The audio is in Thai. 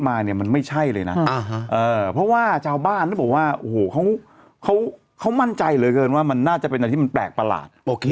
แต่คอนเนี้ยไม่รู้มันจะช่วยได้รึเปล่า